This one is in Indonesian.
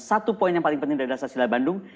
satu poin yang paling penting dari dasar sila bandung